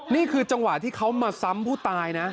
นี่คือจังหวะที่เขามาซ้ำผู้ตายนะ